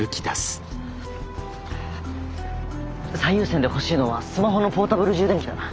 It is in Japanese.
最優先で欲しいのはスマホのポータブル充電器だな。